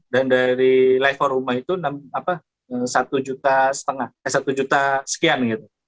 dan dari live for rumah itu satu juta sekian